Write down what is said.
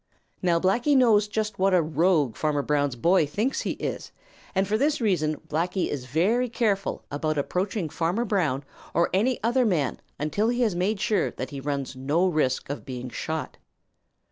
Now Blacky knows just what a rogue Farmer Brown's boy thinks he is, and for this reason Blacky is very careful about approaching Farmer Brown or any other man until he has made sure that he runs no risk of being shot.